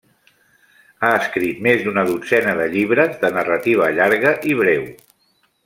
Ha escrit més d'una dotzena de llibres de narrativa llarga i breu.